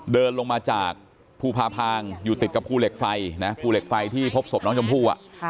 เดินลงมาจากภูพาพางอยู่ติดกับภูเหล็กไฟนะภูเหล็กไฟที่พบศพน้องชมพู่